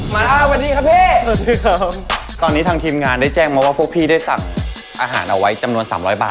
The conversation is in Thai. มาแล้วสวัสดีครับพี่สวัสดีครับตอนนี้ทางทีมงานได้แจ้งมาว่าพวกพี่ได้สั่งอาหารเอาไว้จำนวนสามร้อยบาท